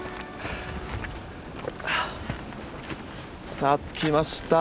さあ着きました。